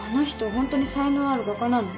ホントに才能ある画家なの？